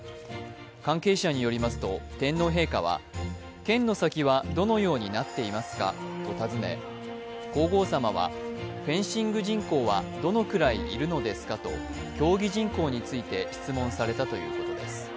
関係者によりますと、天皇陛下は剣の先はどのようになっていますかと尋ね皇后さまはフェンシング人口はどのくらいいるのですかと競技人口について質問されたということです。